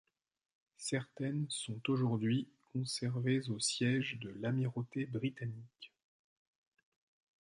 Certaines sont aujourd'hui conservées au siège de l'amirauté britannique.